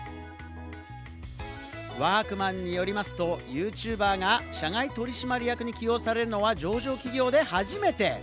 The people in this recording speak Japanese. ワークマンによりますと、ユーチューバーが社外取締役に起用されるのは上場企業で初めて。